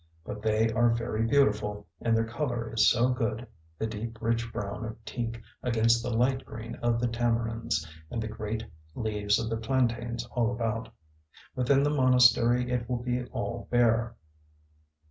But they are very beautiful, and their colour is so good, the deep rich brown of teak against the light green of the tamarinds, and the great leaves of the plantains all about. Within the monastery it will be all bare.